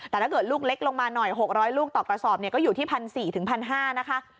แต่ถ้าเกิดลูกเล็กลงมาหน่อย๖๐๐ลูกต่อกระสอบก็อยู่ที่๑๔๐๐๑๕๐๐นะคะ